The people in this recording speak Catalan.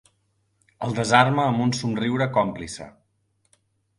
El desarma amb un somriure còmplice.